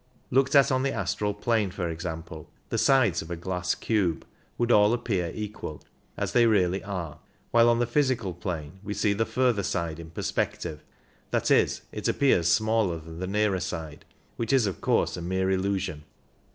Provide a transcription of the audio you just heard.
Looked at on the astral plane, for example, the sides of a glass cube would all appear equal, as they really are, while on the physical plane we see the further side in perspective — that is, it appears smaller than the nearer side, which is, of course, a mere illusion.